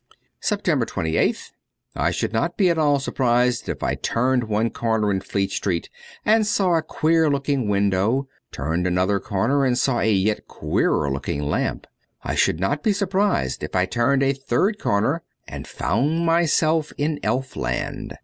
300 SEPTEMBER 28th I SHOULD not be at all surprised if I turned one corner in Fleet Street and saw a queer looking window, turned another corner and saw a yet queerer looking lamp ; I should not be sur prised if I turned a third corner and found myself in Elfland.